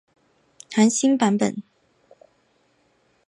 含新装版。